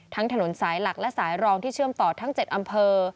ถนนสายหลักและสายรองที่เชื่อมต่อทั้ง๗อำเภอ